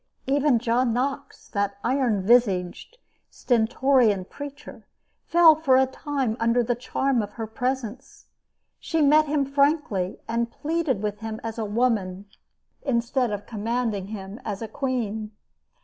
Even John Knox, that iron visaged, stentorian preacher, fell for a time under the charm of her presence. She met him frankly and pleaded with him as a woman, instead of commanding him as a queen.